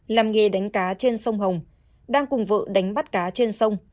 làm nghề đánh cá trên sông hồng đang cùng vợ đánh bắt cá trên sông